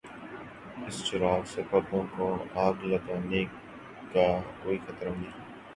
اس چراغ سے پردوں کو آگ لگنے کا کوئی خطرہ نہیں۔